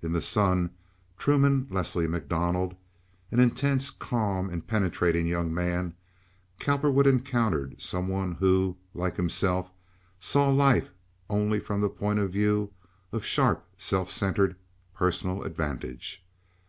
In the son, Truman Leslie MacDonald, an intense, calm, and penetrating young man, Cowperwood encountered some one who, like himself, saw life only from the point of view of sharp, self centered, personal advantage.